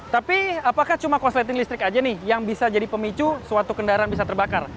tapi apakah cuma kosleting listrik aja nih yang bisa jadi pemicu suatu kendaraan bisa terbakar